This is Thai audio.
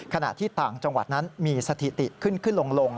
ขณะที่ต่างจังหวัดนั้นมีสถิติขึ้นขึ้นลง